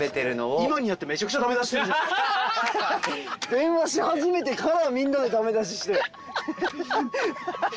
電話し始めてからみんなでダメ出しして。